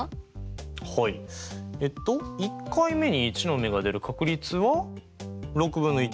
えっと１回目に１の目が出る確率は６分の１。